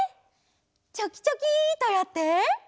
チョキチョキッとやって。